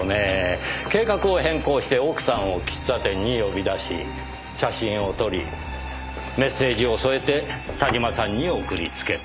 計画を変更して奥さんを喫茶店に呼び出し写真を撮りメッセージを添えて田島さんに送りつけた。